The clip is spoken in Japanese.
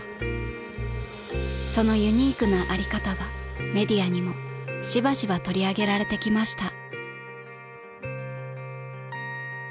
［そのユニークなあり方はメディアにもしばしば取り上げられてきました］